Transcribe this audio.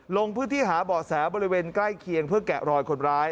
ลงพื้นที่หาเบาะแสบริเวณใกล้เคียงเพื่อแกะรอยคนร้าย